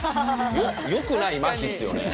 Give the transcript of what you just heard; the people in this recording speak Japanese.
良くない麻痺ですよね。